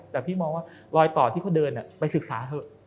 แต่พี่มองว่ารอยต่อที่เขาเดินไปศึกษาเถอะ